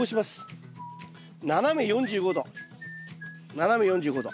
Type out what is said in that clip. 斜め４５度。